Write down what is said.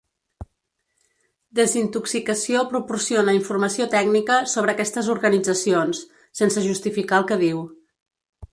Desintoxicació proporciona informació tècnica sobre aquestes organitzacions, sense justificar el que diu.